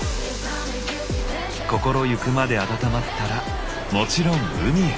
心ゆくまで温まったらもちろん海へ。